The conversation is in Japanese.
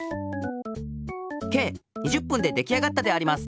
計２０ぷんでできあがったであります。